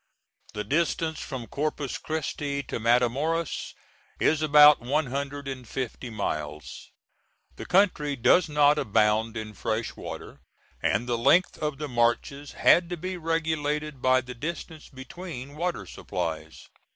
The distance from Corpus Christi to Matamoras is about one hundred and fifty miles. The country does not abound in fresh water, and the length of the marches had to be regulated by the distance between water supplies.